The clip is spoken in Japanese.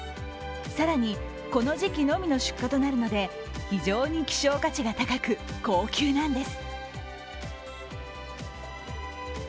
更に、この時期のみの出荷となるので非常に希少価値が高く高級なんです。